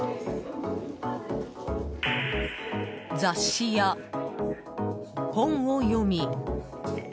雑誌や、本を読み。